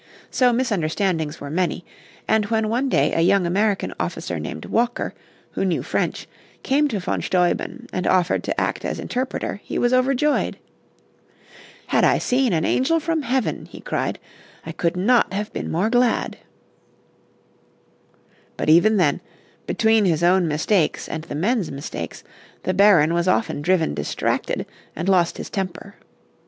So misunderstandings were many, and when one day a young American officer named Walker, who knew French, came to von Steuben and offered to act as interpreter he was overjoyed. "Had I seen an angel from heaven," he cried, "I could not have been more glad." But even then, between his own mistakes and the men's mistakes, the Baron was often driven distracted, and lost his temper.